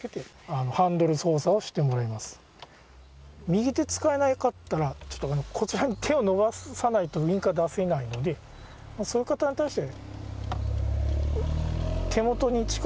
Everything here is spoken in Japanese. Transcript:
右手使えなかったらちょっとこちらに手を伸ばさないとウインカー出せないのでそういう方に対して。というような装置です。